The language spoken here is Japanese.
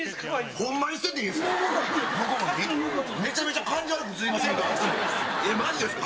ほんまに捨てていいですか？